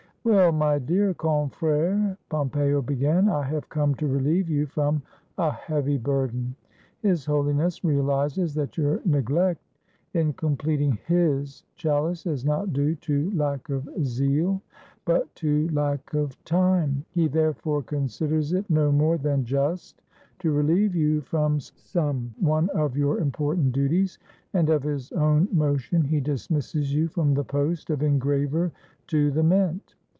"Well, my dear confrere," Pompeo began, "I have come to relieve you from a heavy burden. His Holiness realizes that your neglect in completing his chalice is not due to lack of zeal, but to lack of time; he therefore considers it no more than just to relieve you from some one of your important duties, and of his own motion he dismisses you from the post of Engraver to the Mint.